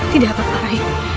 tidak apa apa rai